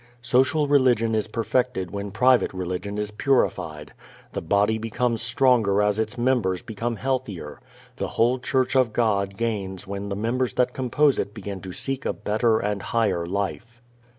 Social religion is perfected when private religion is purified. The body becomes stronger as its members become healthier. The whole Church of God gains when the members that compose it begin to seek a better and a higher life.